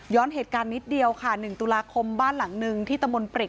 เหตุการณ์นิดเดียวค่ะ๑ตุลาคมบ้านหลังนึงที่ตะมนต์ปริก